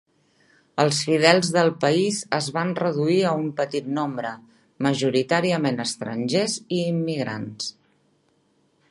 Els fidels del país es va reduir a un petit nombre, majoritàriament estrangers i immigrants.